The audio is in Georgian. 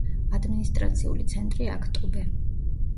ადმინისტრაციული ცენტრი აქტობე.